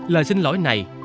lời xin lỗi này